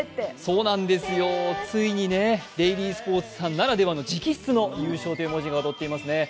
そうなんですよ、ついにね「デイリースポーツ」さんならではの直筆の「優勝」という文字が躍っていますね。